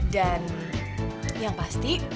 dan yang pasti